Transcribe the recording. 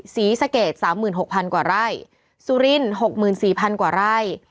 ศรีสเกตสามหมื่นหกพันกว่าไร่สุรินดร์หกหมื่นสี่พันกว่าไร่